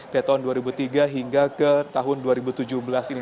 dari tahun dua ribu tiga hingga ke tahun dua ribu tujuh belas ini